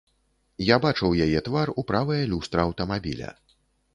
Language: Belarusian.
Я бачыў яе твар у правае люстра аўтамабіля.